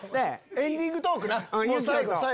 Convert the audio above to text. エンディングトークな。